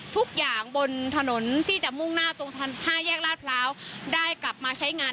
ทุกอย่างบนถนนที่จะมุ่งหน้าตรง๕แยกลาดพร้าวได้กลับมาใช้งาน